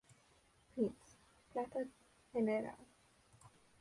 Prince, planta general.